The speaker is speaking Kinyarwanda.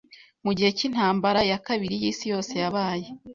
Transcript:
Mu gihe cyintambara ya kabiri yisi yose yabaye